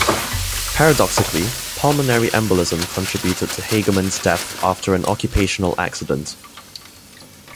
Paradoxically, pulmonary embolism contributed to Hageman's death after an occupational accident.